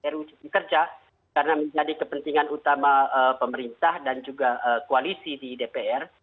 ruu itu bekerja karena menjadi kepentingan utama pemerintah dan juga koalisi di dpr